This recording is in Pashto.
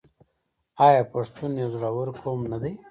آیا پښتون یو زړور قوم نه دی؟